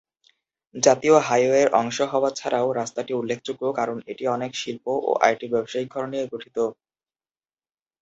জাতীয় হাইওয়ের অংশ হওয়া ছাড়াও রাস্তাটি উল্লেখযোগ্য কারণ এটি অনেক শিল্প ও আইটি ব্যবসায়িক ঘর নিয়ে গঠিত।